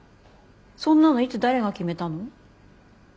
そんなのいつ誰が決めたの？